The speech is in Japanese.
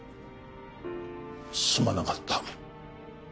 すまなかった